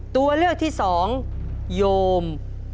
ตัวเลือกที่สองโยม